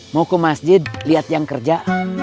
mau ke masjid lihat yang kerja